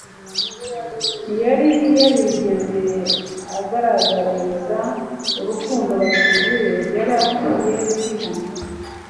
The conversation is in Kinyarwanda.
Ntiyari yarigeze agaragariza urukundo bagenzi be. Yari akwiriye kwihana;